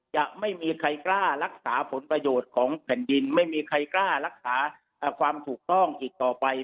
จะไม่มีใครกล้ารักษาผลประโยชน์ของแผ่นดินไม่มีใครกล้ารักษาความถูกต้องอีกต่อไป